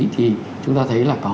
thì chúng ta thấy là